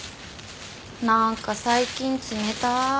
何か最近冷たい。